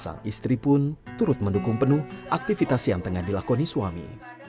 sang istri pun turut mendukung penuh aktivitas yang tengah dilakoni suami